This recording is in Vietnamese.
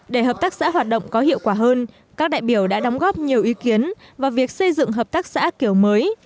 để hợp tác xã hoạt động có hiệu quả hơn các đại biểu đã đóng góp nhiều ý kiến vào việc xây dựng hợp tác xã kiểu mới